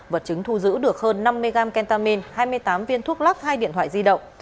vật chứng thu giữ được hơn năm mươi gram kentamin hai mươi tám viên thuốc lắc hai điện thoại di động